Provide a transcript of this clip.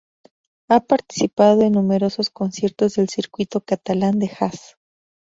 Ha participado en numerosos conciertos del circuito catalán de jazz.